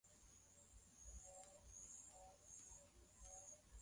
huku wengine sabini na watatu wakipatiwa tiba